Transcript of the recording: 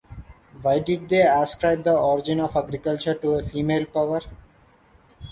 Why did they ascribe the origin of agriculture to a female power?